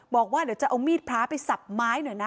บอกว่าเดี๋ยวจะเอามีดพระไปสับไม้หน่อยนะ